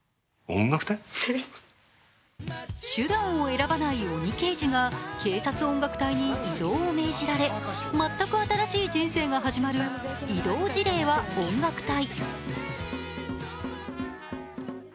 手段を選ばない鬼刑事が警察音楽隊に異動を命じられ全く新しい人生が始まる「異動辞令は音楽隊！」。